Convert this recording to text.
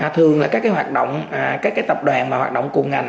thường là các tập đoàn hoạt động cùng ngành